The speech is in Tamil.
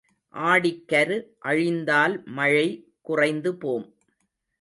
ஆடிக்கரு அழிந்தால் மழை குறைந்து போம்.